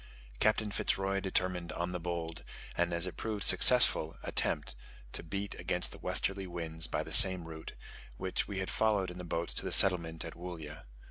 Captain Fitz Roy determined on the bold, and as it proved successful, attempt to beat against the westerly winds by the same route, which we had followed in the boats to the settlement at Woollya.